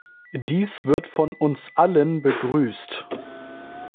Dies wird von uns allen begrüßt.